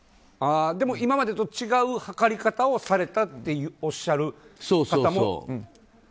でも、今までと違う測り方をされたっておっしゃる方も。